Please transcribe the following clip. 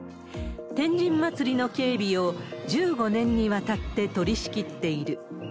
天神祭の警備を１５年にわたって取り仕切っている。